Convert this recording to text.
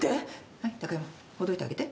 はい貴山ほどいてあげて。